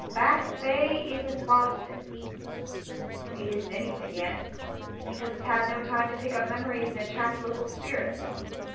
Back Bay isn't BostonŌĆöit isn't anything yet, because it's had no time to pick up memories and attract local spirits.